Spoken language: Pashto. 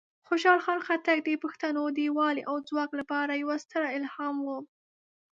خوشحال خان خټک د پښتنو د یوالی او ځواک لپاره یوه ستره الهام وه.